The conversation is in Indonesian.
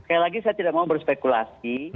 sekali lagi saya tidak mau berspekulasi